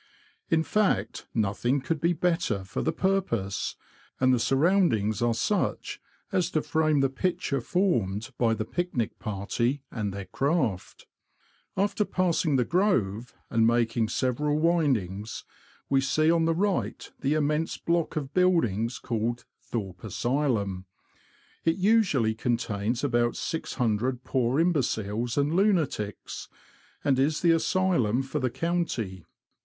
In fact, nothing could be better for the purpose, and the surroundings are such as to frame the picture formed by the picnic party and their craft. After passing the Grove, and making several windings, we see on the right the immense block of buildings called Thorpe Asylum ; it usually contains about 600 poor imbeciles and lunatics, and is the asylum for the county.